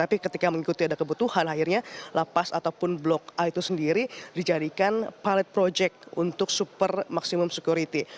tapi ketika mengikuti ada kebutuhan akhirnya lapas ataupun blok a itu sendiri dijadikan pilot project untuk super maksimum security